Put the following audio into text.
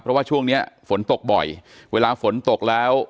เพราะว่าช่วงเนี้ยฝนตกบ่อยเวลาฝนตกแล้ว